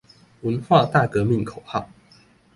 文化大革命口號